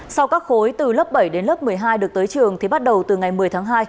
sau các khối từ lớp bảy đến lớp một mươi hai được tới trường thì bắt đầu từ ngày một mươi tháng hai